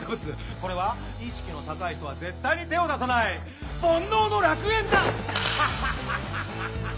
これは意識の高い人は絶対に手を出さない煩悩の楽園だ！ハハハ！